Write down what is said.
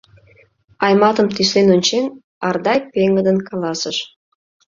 — Айматым тӱслен ончен, Ардай пеҥгыдын каласыш.